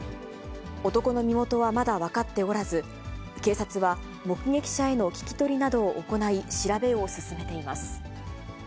男の身元はまだ分かっておらず、警察は目撃者への聞き取りなどを行い、調べを進めています。